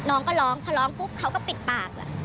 น้องก็ร้องพอร้องปุ๊บเขาก็ปิดปาก